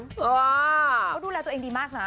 เขาดูแลตัวเองดีมากนะ